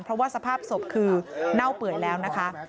เพราะว่าสภาพศพคือเน่าเปื่อยแล้วนะคะ